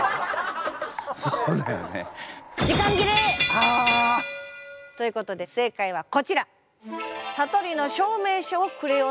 あ！ということで正解はこちら！